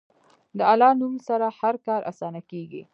د الله نوم سره هر کار اسانه کېږي.